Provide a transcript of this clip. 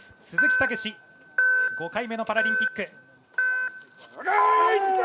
鈴木猛史５回目のパラリンピック。